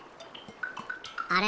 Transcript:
あれ？